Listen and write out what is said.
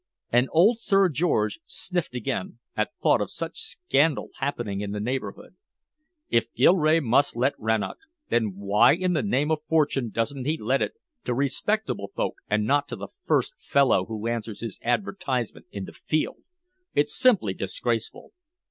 And old Sir George sniffed again at thought of such scandal happening in the neighborhood. "If Gilrae must let Rannoch, then why in the name of Fortune doesn't he let it to respectable folk and not to the first fellow who answers his advertisement in The Field? It's simply disgraceful!"